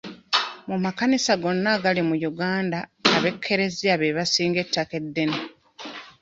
Mu makanisa gonna agali mu Uganda, ab'ekereziya be basinga ettaka ddene.